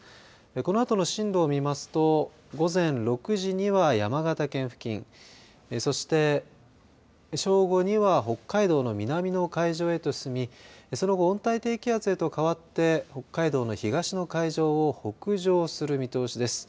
このあとの進路を見ますと午前６時には山形県付近そして正午には北海道の南の海上へと進みその後、温帯低気圧へと変わって北海道の東の海上を北上する見通しです。